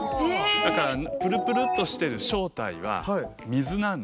だからプルプルッとしている正体は水なんです。